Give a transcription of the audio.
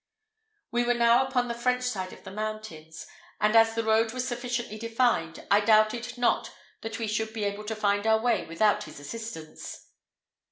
We were now upon the French side of the mountains, and, as the road was sufficiently defined, I doubted not that we should be able to find our way without his assistance.